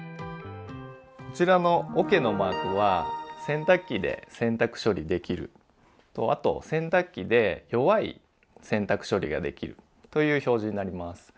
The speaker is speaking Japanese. こちらのおけのマークは洗濯機で洗濯処理できるあと洗濯機で弱い洗濯処理ができるという表示になります。